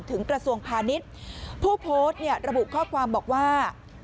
กระทรวงพาณิชย์ผู้โพสต์เนี่ยระบุข้อความบอกว่า